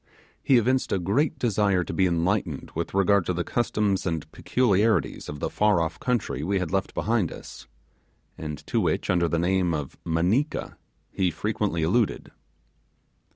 He evinced a great desire to be enlightened with regard to the customs and peculiarities of the far off country we had left behind us, and to which under the name of Maneeka he frequently alluded.